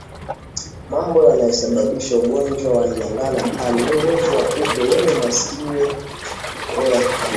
Mambo yanayosababisha ugonjwa wa ndigana kali ni uwepo wa kupe wenye masikio ya kahawia